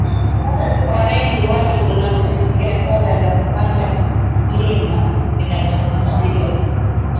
kwa wengi wetu unaposikia swala la kupanda mlima linazungumziwa